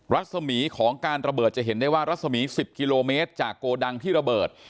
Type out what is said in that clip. รัศมีร์ของการระเบิดจะเห็นได้ว่ารัศมี๑๐กิโลเมตรจากโกดังที่ระเบิด